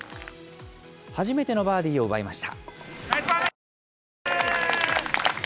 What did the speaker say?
初めてのバーディーを奪いました。